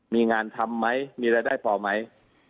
มีงานทำไหมมีรายได้พอไหม